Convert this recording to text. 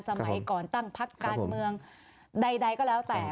สมัยก่อนตั้งพักการเมืองใดก็แล้วแต่